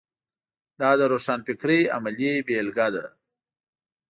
دا د روښانفکرۍ عملي بېلګه ده.